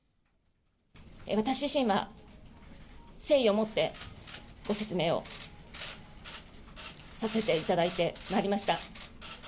私自身は誠意を持ってご説明をさせていただいてまいりました。